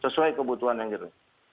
sesuai kebutuhan yang gitu